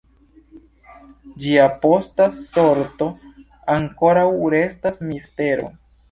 Ĝia posta sorto ankoraŭ restas mistero.